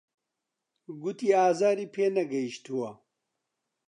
گوتی ئازاری پێ نەگەیشتووە.